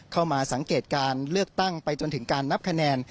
เข้ามาสังเกตการเลือกตั้งไปจนถึงการนับคะแนน